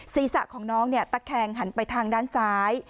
ศีรษะของน้องตะแคงหันไปทางด้านซ้าย